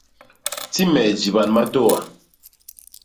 Ti me jiban matôa.